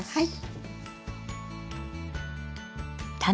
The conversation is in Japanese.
はい。